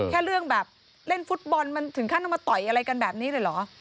แค่เรื่องแบบเล่นฟุตบอลมันถึงขั้นเอามาต่อยอะไรกันแบบนี้เลยเหรอ